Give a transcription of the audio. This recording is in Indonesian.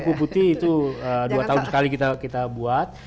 kupu putih itu dua tahun sekali kita buat